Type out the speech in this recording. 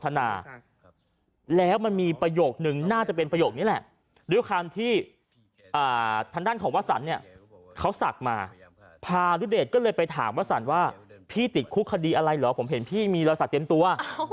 ทางด้านของว่าสัตว์เนี่ยเขาสักมาพาณุเดชก็เลยไปถามว่าสัตว์ว่าพี่ติดคุกคดีอะไรหรอผมเห็นพี่มีรอสัตว์เต็มตัว